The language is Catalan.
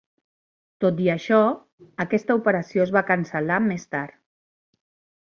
Tot i això, aquesta operació es va cancel·lar més tard.